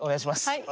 はい。